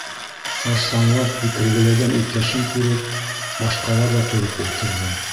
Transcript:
Сарсаңлап һикергеләгән иптәшен күреп башҡалар ҙа тороп ултырҙы.